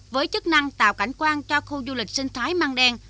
với chức năng tạo cảnh quan cho khu du lịch sinh thái mang đen